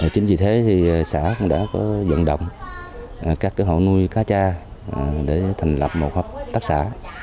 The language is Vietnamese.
chính vì thế thì xã cũng đã dần động các hộ nuôi cá cha để thành lập một hợp tác xã